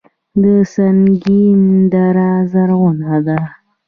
د سنګین دره زرغونه ده